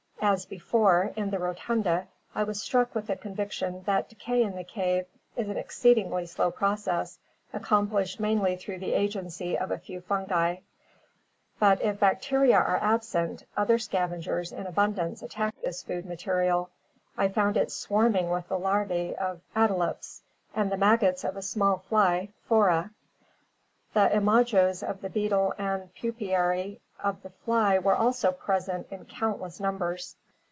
As before, in the Rotunda, I was struck with the conviction that decay in the cave is an exceedingly slow process, accomplished mainly through the agency of a few fungi. ... But if bacteria are absent, other scavengers in abun dance attack this food material. I found it swarming with the larvae of Adelops and the maggots of a small fly (Phora). The imagos of the beetle and puparia of the fly were also present in countless numbers.'